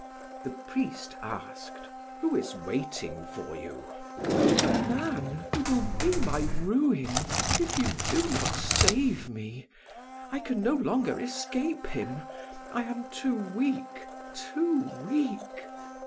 The priest asked: "Who is waiting for you?" "A man who will be my ruin if you do not save me. I can no longer escape him I am too weak too weak."